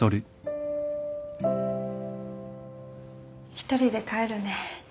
１人で帰るね。